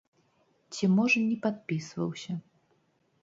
Ці, можа, не падпісваўся.